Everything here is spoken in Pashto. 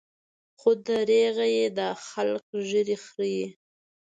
خو درېغه چې دا خلق ږيرې خريي.